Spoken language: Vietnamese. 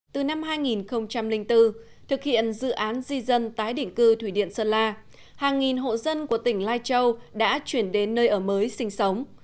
từ năm hai nghìn bốn thực hiện dự án di dân tái định cư thủy điện sơn la hàng nghìn hộ dân của tỉnh lai châu đã chuyển đến nơi ở mới sinh sống